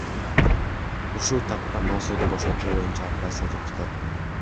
Ушул тапта Мосулду бошотуу боюнча операция жүрүп жатат.